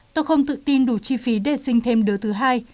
tôi không tự tin đủ chi phí để sinh thêm đứa thứ hai